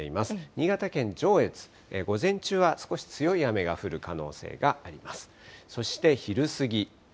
新潟県上越、午前中は少し強い雨が降る可能性があります。